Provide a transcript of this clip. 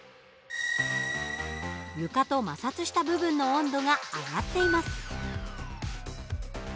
床と摩擦した部分の温度が上がっています。